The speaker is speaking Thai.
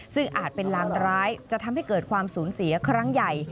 ซึ่งอาจเป็นรางร้ายจะทำให้เกิดความสูญเสียครั้งใหญ่